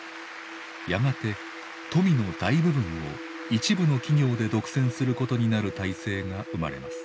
やがて富の大部分を一部の企業で独占することになる体制が生まれます。